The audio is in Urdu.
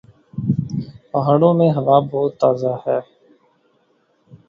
پہاڑوں میں ہوا بہت تازہ ہے۔